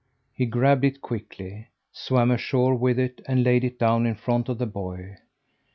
He grabbed it quickly, swam ashore with it, and laid it down in front of the boy.